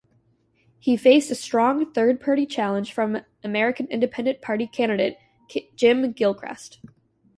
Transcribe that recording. He faced a strong third-party challenge from American Independent Party candidate Jim Gilchrist.